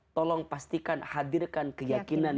tolong pastikan hadirkan keyakinan